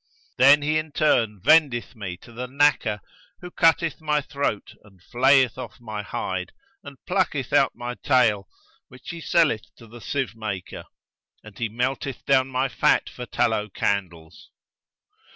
Then he in turn vendeth me to the knacker who cutteth my throat and flayeth off my hide and plucketh out my tail, which he selleth to the sieve maker; and he melteth down my fat for tallow candles.'